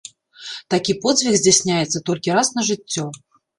Такі подзвіг здзяйсняецца толькі раз на жыццё.